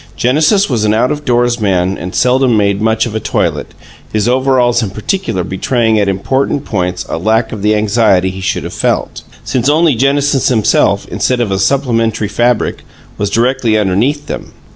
Genesis was an out of doors man and seldom made much of a toilet; his overalls in particular betraying at important points a lack of the anxiety he should have felt, since only Genesis himself, instead of a supplementary fabric, was directly underneath them.